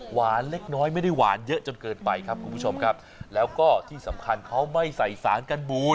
เล็กน้อยไม่ได้หวานเยอะจนเกินไปครับคุณผู้ชมครับแล้วก็ที่สำคัญเขาไม่ใส่สารกันบูด